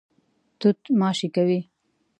توت ماشې کوي.